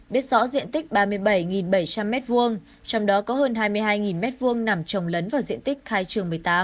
biết rõ diện tích ba mươi bảy bảy trăm linh m hai trong đó có hơn hai mươi hai m hai nằm trồng lấn vào diện tích khai trường một mươi tám